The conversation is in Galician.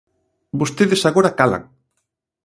Vostedes agora calan.